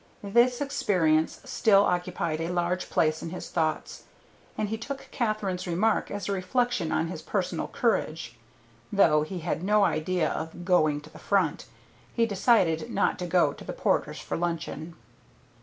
This experience still occupied a large place in his thoughts, and he took Katherine's remark as a reflection on his personal courage. Though he had no idea of "going to the front," he decided not to go to the Porters' for luncheon.